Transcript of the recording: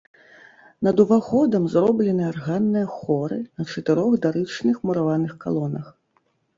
Над уваходам зроблены арганныя хоры на чатырох дарычных мураваных калонах.